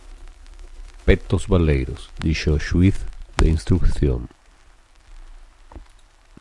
… petos baleiros… —dixo o xuíz de instrución.